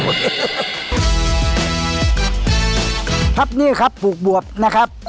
ครับนี่ครับปลูกบวบนะครับ